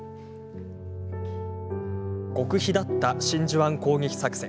極秘だった真珠湾攻撃作戦。